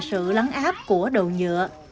sự lắng áp của đồ nhựa